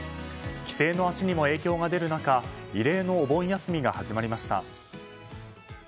帰省の足にも影響が出る中異例のお盆休みが始まりました。